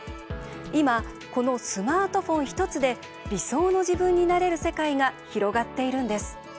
今、このスマートフォン１つで理想の自分になれる世界が広がっているんです。